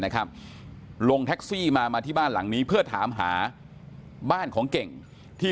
นะครับลงแท็กซี่มามาที่บ้านหลังนี้เพื่อถามหาบ้านของเก่งที่